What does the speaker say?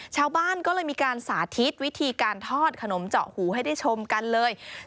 ชาวบ้านก็เลยมีการสาธิตวิธีการทอดขนมเจาะหูให้ได้ชมกันเลย